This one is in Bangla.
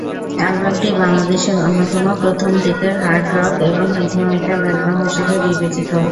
অ্যালবামটি বাংলাদেশের অন্যতম প্রথম দিকের হার্ড রক এবং হেভি মেটাল অ্যালবাম হিসাবে বিবেচিত।